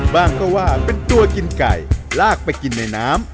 บ้างก็ว่าเป็นตัวกินไก่ลากไปกินในน้ำ